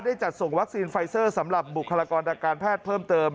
จัดส่งวัคซีนไฟเซอร์สำหรับบุคลากรทางการแพทย์เพิ่มเติม